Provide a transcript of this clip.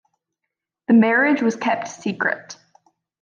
The marriage was kept secret.